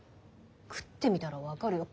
「食ってみたら分かるよ。